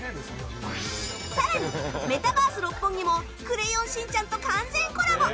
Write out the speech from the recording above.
更に、メタバース六本木も「クレヨンしんちゃん」と完全コラボ。